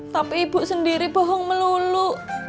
tapi ibu sendiri bohong melulu